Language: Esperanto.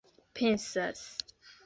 pensas